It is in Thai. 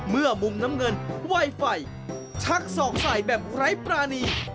มุมน้ำเงินไวไฟชักศอกใส่แบบไร้ปรานี